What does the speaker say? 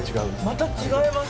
また違います。